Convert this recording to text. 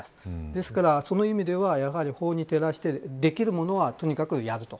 ですからその意味では法に照らしてできるものは、とにかくやると。